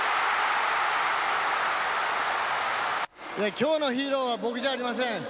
きょうのヒーローは僕じゃありません。